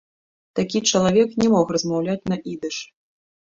Такі чалавек не мог размаўляць на ідыш.